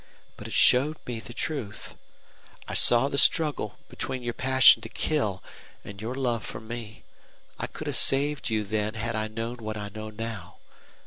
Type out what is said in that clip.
But it showed me the truth. I saw the struggle between your passion to kill and your love for me. I could have saved you then had I known what I know now.